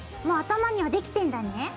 もう頭にはできてんだね。